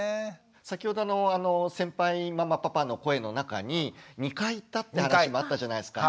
先ほど先輩ママパパの声の中に「２回行った」って話もあったじゃないですか。